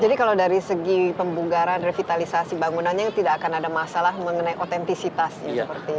jadi kalau dari segi pembunggaran revitalisasi bangunannya tidak akan ada masalah mengenai otentisitasnya seperti apa